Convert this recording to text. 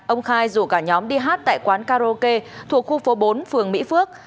ông khai rủ cả nhóm đi hát tại quán karaoke thuộc khu phố bốn phường mỹ phước